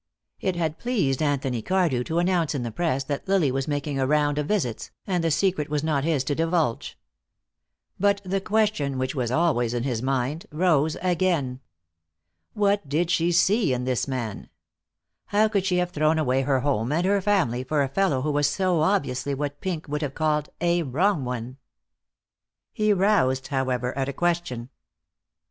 It had pleased Anthony Cardew to announce in the press that Lily was making a round of visits, and the secret was not his to divulge. But the question which was always in his mind rose again. What did she see in the man? How could she have thrown away her home and her family for a fellow who was so obviously what Pink would have called "a wrong one"? He roused, however, at a question.